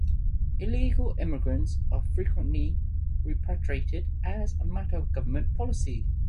Illegal immigrants are frequently repatriated as a matter of government policy.